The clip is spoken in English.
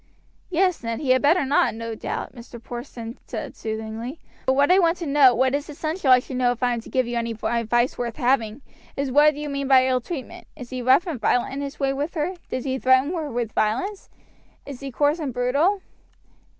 "Yes, Ned, he had better not, no doubt," Mr. Porson said soothingly; "but what I want to know, what it is essential I should know if I am to give you any advice worth having, is what you mean by ill treatment is he rough and violent in his way with her? does he threaten her with violence? is he coarse and brutal?"